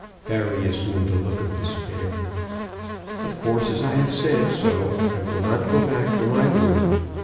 Barry assumed a look of despair. "Of course, as I have said so, I will not go back from my word.